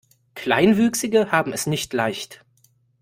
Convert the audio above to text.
Kleinwüchsige haben es nicht leicht.